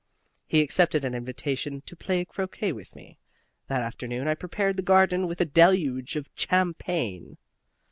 He accepted an invitation to play croquet with me. That afternoon I prepared the garden with a deluge of champagne.